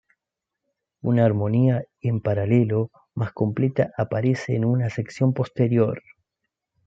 Una armonía en paralelo más completa aparece en una sección posterior.